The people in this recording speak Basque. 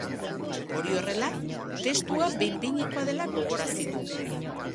Hori horrela, testua behin-behinekoa dela gogorarazi du.